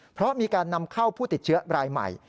เพราะมีการนำเข้าผู้ติดเชื้อรายใหม่